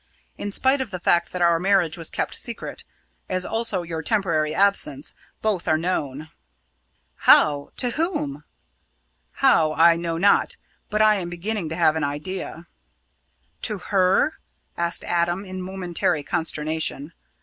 In spite of the fact that our marriage was kept secret, as also your temporary absence, both are known." "How? To whom?" "How, I know not; but I am beginning to have an idea." "To her?" asked Adam, in momentary consternation.